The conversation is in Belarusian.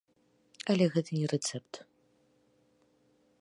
Але гэта не рэцэпт.